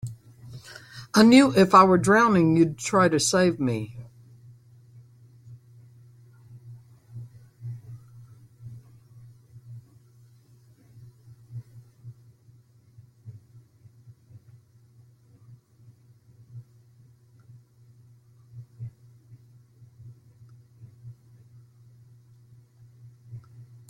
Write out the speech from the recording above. I knew if I were drowning you'd try to save me.